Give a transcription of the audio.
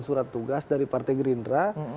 surat tugas dari partai gerindra